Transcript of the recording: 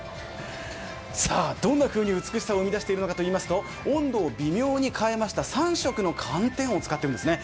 どんなふうに美しさを生み出しているのかというと、温度を変えて３色の寒天を使っているんですね。